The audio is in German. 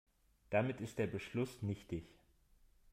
Damit ist der Beschluss nichtig.